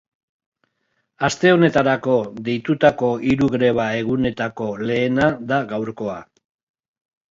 Aste honetarako deitutako hiru greba egunetako lehena da gaurkoa.